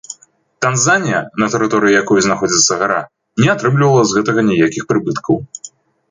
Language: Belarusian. Танзанія, на тэрыторыі якой знаходзіцца гара, не атрымлівала з гэтага ніякіх прыбыткаў.